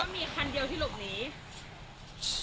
มีคันเดียวที่หลบหนี